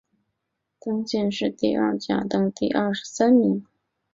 殿试登进士第二甲第二十三名。